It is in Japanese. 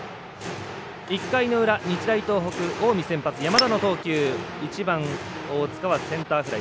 １回の裏日大東北、近江先発山田の投球、１番センターフライ。